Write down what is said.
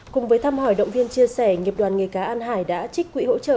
cùng với thăm hỏi động viên chia sẻ nghiệp đoàn nghề cá an hải đã trích quỹ hỗ trợ